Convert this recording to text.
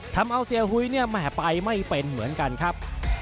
ทำเอาเสียหุยเนี่ยแหมไปไม่เป็นเหมือนกันครับ